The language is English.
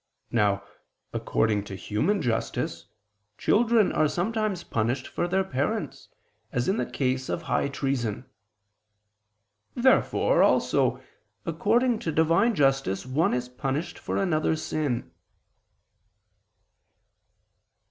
Now, according to human justice, children are sometimes punished for their parents, as in the case of high treason. Therefore also according to Divine justice, one is punished for another's sin.